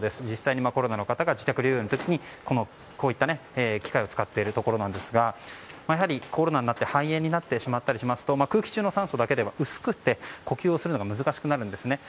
実際にコロナの方が自宅療養の時にこういった機械を使っているところですがやはりコロナになって肺炎になってしまったりしますと空気中の酸素だけでは薄く呼吸をするのが難しくなるんです。